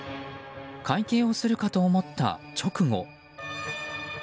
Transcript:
会計をするかと思った直後。